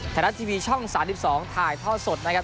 ไทยรัฐทีวีช่อง๓๒ถ่ายท่อสดนะครับ